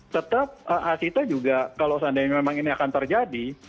tetap asita juga kalau seandainya memang ini akan terjadi